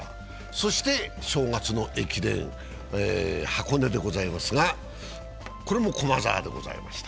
そして正月の駅伝、箱根でございますがこれも駒澤でございました。